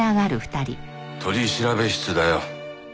取調室だよ。